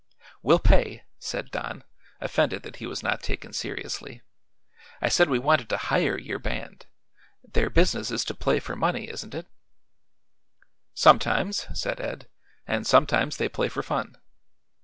"We'll pay," said Don, offended that he was not taken seriously. "I said we wanted to hire your band. Their business is to play for money, isn't it?" "Sometimes," said Ed; "and sometimes they play for fun."